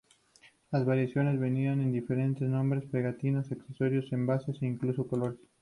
Las variaciones venían en diferentes nombres, pegatinas, accesorios, envases e incluso colores.